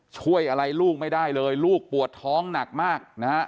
ช่วยอะไรลูกไม่ได้เลยลูกปวดท้องหนักมากนะฮะ